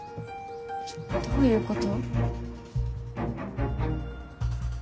どういうこと？